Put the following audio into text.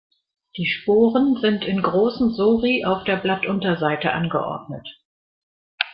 Die Sporen sind in großen Sori auf der Blattunterseite angeordnet.